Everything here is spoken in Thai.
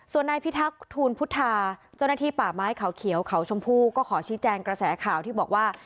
ส่วนนายพิทักษ์ทูลพุทธาเจ้าหน้าที่ป่าไม้เขาเขียวเขาชมพู่ก็ขอชี้แจงกระแสข่าวที่บอกว่า